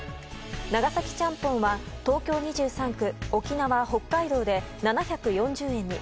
長崎ちゃんぽんは東京２３区、沖縄、北海道で７４０円に。